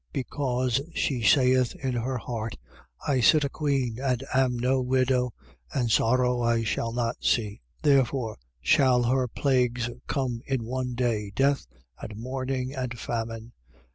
Because she saith in her heart: I sit a queen and am no widow: and sorrow I shall not see. 18:8. Therefore, shall her plagues come in one day, death and mourning and famine.